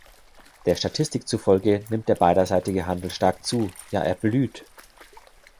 Der Statistik zufolge nimmt der beiderseitige Handel stark zu, ja er blüht.